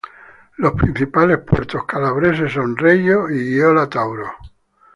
Los principales puertos calabreses son Regio y Gioia Tauro.